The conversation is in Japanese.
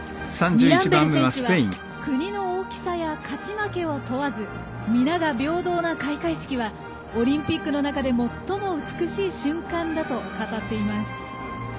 ミランベル選手は国の大きさや勝ち負けを問わず皆が平等な開会式はオリンピックの中で最も美しい瞬間だと語っています。